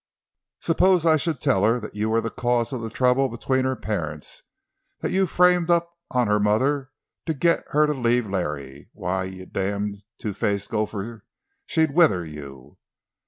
Suppose I should tell her that you were the cause of the trouble between her parents; that you framed up on her mother, to get her to leave Larry? Why, you damned, two faced gopher, she'd wither you!"